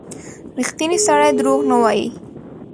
• ریښتینی سړی دروغ نه وايي.